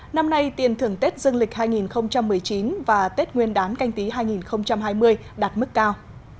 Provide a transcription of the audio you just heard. năm nay tiền thưởng tết dương lịch hai nghìn một mươi chín và tết nguyên đán canh tí hai nghìn hai mươi đạt mức cao